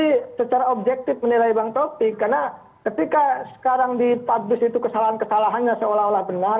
jadi secara objektif menilai bank taufik karena ketika sekarang di pabbis itu kesalahan kesalahannya seolah olah benar